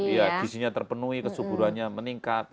iya gizinya terpenuhi kesuburannya meningkat